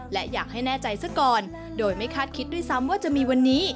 และอยากให้แน่ใจซะก่อนโดยไม่คาดคิดด้วยซ้ำว่าจะมีวันนี้